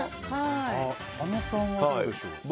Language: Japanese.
佐野さんはどうでしょう？